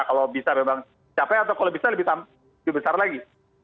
kalau bisa memang capek atau kalau bisa lebih besar lagi